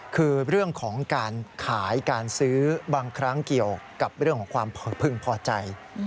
คือเรื่องของการขายการซื้อบางครั้งเกี่ยวกับเรื่องของความพึงพอใจ